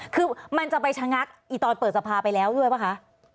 คือมันจะไปชะงักอีกตอนเปิดสภาไปแล้วด้วยป่ะคะ